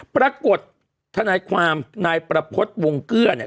ทนายความนายประพฤติวงเกื้อเนี่ย